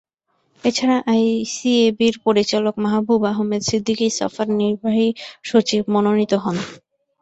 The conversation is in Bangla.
এ ছাড়া আইসিএবির পরিচালক মাহাবুব আহমেদ সিদ্দিকী সাফার নির্বাহী সচিব মনোনীত হন।